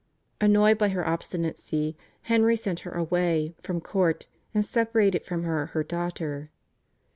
Annoyed by her obstinacy Henry sent her away from court, and separated from her her daughter.